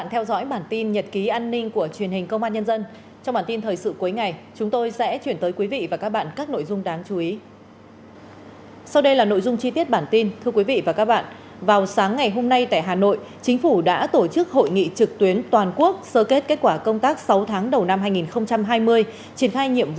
hãy đăng ký kênh để ủng hộ kênh của chúng mình nhé